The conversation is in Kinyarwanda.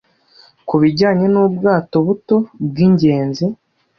Kubijyanye nubwato buto, bwingenzi